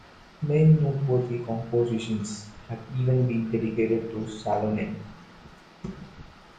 Many noteworthy compositions have even been dedicated to Salonen.